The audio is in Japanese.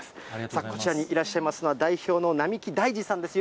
さあ、こちらにいらっしゃいますのは、代表の並木大治さんです。